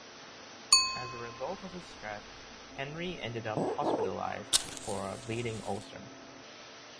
As a result of his stress, Henry ended up hospitalized for a bleeding ulcer.